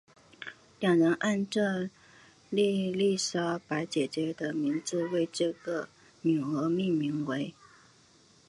两人按照伊丽莎白姐姐的名字为这个女儿命名为。